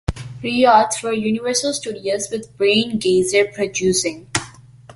Riots for Universal Studios, with Brian Grazer producing.